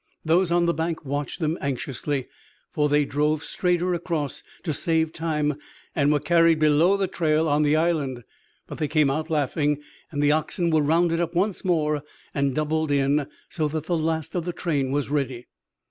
Those on the bank watched them anxiously, for they drove straighter across to save time, and were carried below the trail on the island. But they came out laughing, and the oxen were rounded up once more and doubled in, so that the last of the train was ready.